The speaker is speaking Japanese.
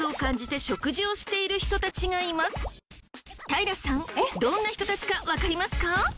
平さんどんな人たちか分かりますか？